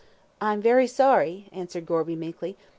"I'm very sorry," answered Gorby, meekly.